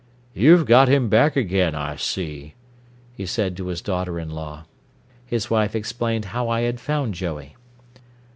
"You've got 'im back 'gain, Ah see," he said to his daughter in law. His wife explained how I had found Joey.